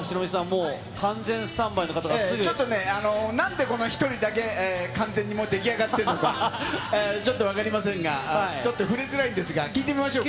もう、完全スちょっとね、なんでこの１人だけ完全にもう出来上がっているのか、ちょっと分かりませんが、ちょっと振りづらいんですが、聞いてみましょうか。